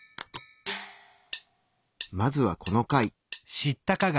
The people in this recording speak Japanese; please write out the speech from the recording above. まずはこの貝。